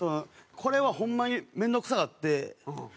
これはホンマに面倒くさかって。